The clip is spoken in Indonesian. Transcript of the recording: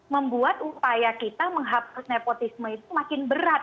membuat upaya kita menghapus nepotisme itu makin berat